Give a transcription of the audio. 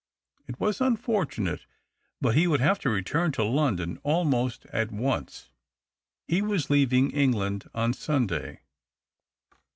It was unfortunate, but he would have to return to London almost at once — he was leaving England on Sunday.